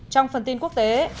trong phần tin quốc tế